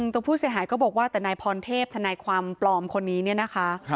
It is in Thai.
ตัวผู้เสียหายก็บอกว่าแต่นายพรเทพธนายความปลอมคนนี้เนี่ยนะคะ